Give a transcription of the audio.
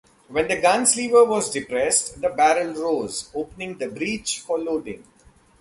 When the gun's lever was depressed the barrel rose, opening the breech for loading.